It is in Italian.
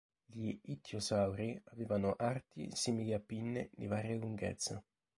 Gli ittiosauri avevano arti simili a pinne di varia lunghezza.